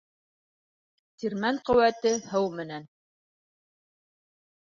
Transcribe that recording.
Тирмән ҡеүәте һыу менән.